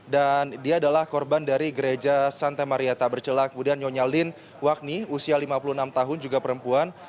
dan dia adalah korban dari gereja santa maria tak bercelak kemudian nyonya lin wakni usia lima puluh enam tahun juga perempuan